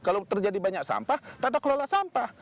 kalau terjadi banyak sampah tata kelola sampah